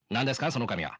その紙は。